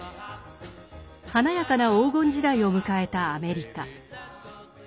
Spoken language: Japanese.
華やかな黄金時代を迎えたアメリカ。